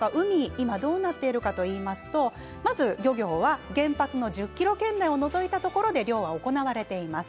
今どうなっているかといいますとまず漁業は原発１０ｋｍ圏内を除いたところで漁が行われています。